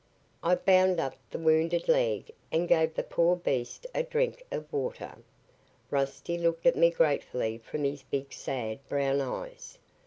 I bound up the wounded leg and gave the poor beast a drink of water. Rusty looked at me gratefully from his big sad brown eyes.